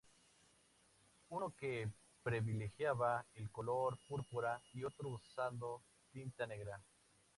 Uno que privilegiaba el color púrpura y otro usando tinta negra.